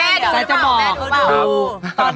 แม่ดูหรือเปล่าแม่ดูเหมือนกัน